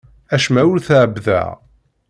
Acemma ur t-ɛebbdeɣ.